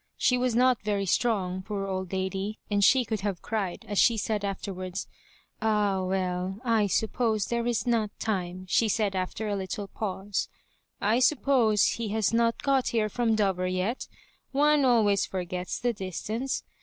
She was not very strong, poor old lady, and she could have cried, as she said afterwards. " Ah, well, I suppose there is not time," she said after a little pause ; "I suppose he has not got here from Dover yet — one always forgets the distance.